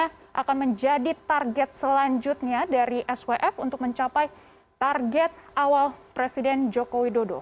apakah akan menjadi target selanjutnya dari swf untuk mencapai target awal presiden joko widodo